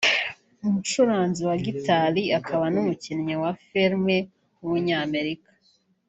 umucuranzi wa guitar akaba n’umukinnyi wa film w’umunyamerika